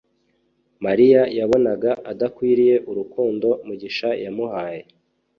mariya yabonaga adakwiriye urukundo mugisha yamuhaye